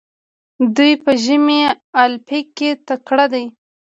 دوی په ژمني المپیک کې تکړه دي.